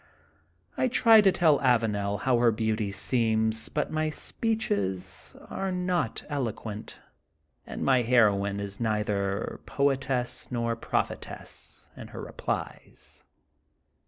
I try to tell Avanel how her beauty seems, but my speeches are not eloquent and my heroine is neither poetess nor prophetess in her replies.